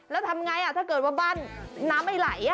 แล้วทำไงถ้าเกิดว่าบ้านน้ำไม่ไหล